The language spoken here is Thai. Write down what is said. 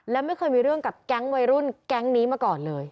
และไม่เคยมีเรื่องกับแก๊งวัยรุ่นแก๊งนี้มาก่อนเลย